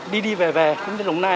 đi đi về về cũng như đồng nai